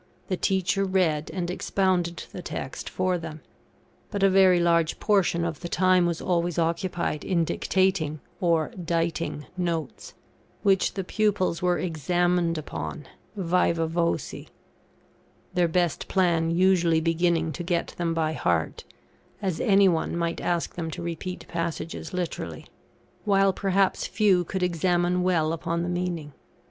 The teacher read and expounded the text for them; but a very large portion of the time was always occupied in dictating, or "diting," notes, which the pupils were examined upon, vivâ voce; their best plan usually being to get them by heart, as any one might ask them to repeat passages literally; while perhaps few could examine well upon the meaning.